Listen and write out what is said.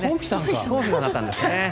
東輝さんだったんですね。